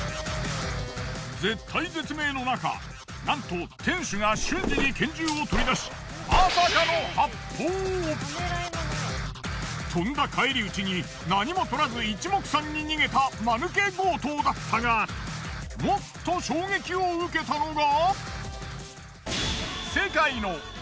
絶体絶命のなかなんと店主が瞬時に拳銃を取り出しまさかのとんだ返り討ちに何も盗らず一目散に逃げたマヌケ強盗だったがもっと衝撃を受けたのが。